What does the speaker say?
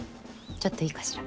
ちょっといいかしら？